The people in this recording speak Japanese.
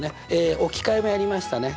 え置き換えもやりましたね。